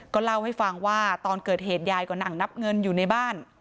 เล่าให้ฟังว่าตอนเกิดเหตุยายก็นั่งนับเงินอยู่ในบ้าน